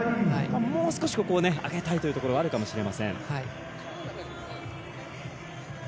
もう少しここを上げたいというところはあるかもしれません。